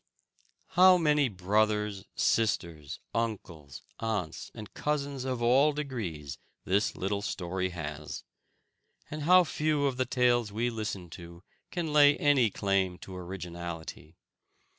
How many brothers, sisters, uncles, aunts, and cousins of all degrees a little story has! And how few of the tales we listen to can lay any claim to originality!